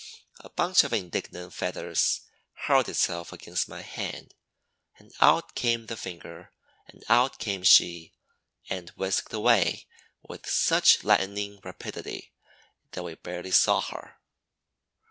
A bunch of indignant feathers hurled itself against my hand and out came the finger and out came she and whisked away with such lightning rapidity that we barely saw her.